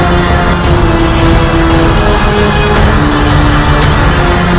patung yang menyala